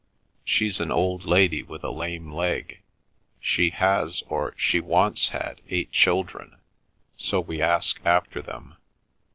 She's an old lady with a lame leg. She has or she once had eight children; so we ask after them.